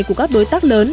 của các đối tác lớn